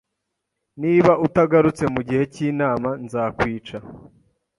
Niba utagarutse mugihe cyinama, nzakwica.